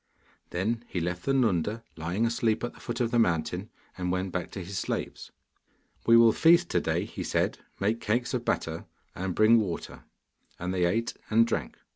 Then he left the Nunda lying asleep at the foot of the mountain, and went back to his slaves. 'We will feast to day,' he said; 'make cakes of batter, and bring water,' and they ate and drank.